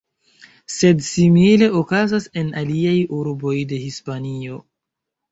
Sed simile okazas en aliaj urboj de Hispanio.